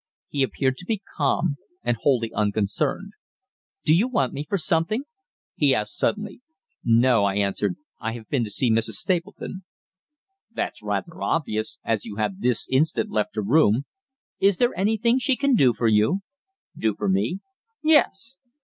He appeared to be calm and wholly unconcerned. "Do you want me for anything?" he asked suddenly. "No," I answered. "I have been to see Mrs. Stapleton." "That's rather obvious, as you have this instant left her room. Is there anything she can do for you?" "Do for me?" "Yes."